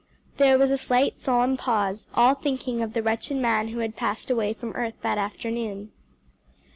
'" There was a slight solemn pause, all thinking of the wretched man who had passed away from earth that afternoon.